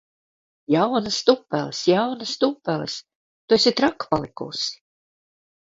Jaunas tupeles! Jaunas tupeles! Tu esi traka palikusi!